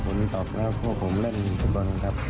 ผมตอบครับพวกผมเล่นการเป็นครับ